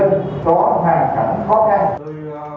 nên tỏa hoàn cảnh khó khăn